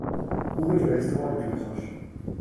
Où est le restaurant le plus proche ?